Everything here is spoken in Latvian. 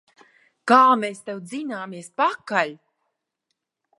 Kā mēs tev dzināmies pakaļ!